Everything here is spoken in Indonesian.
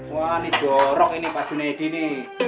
wali dorong ini pak denedi ini